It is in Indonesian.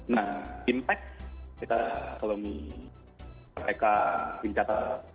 nah impact kita kalau mereka pincat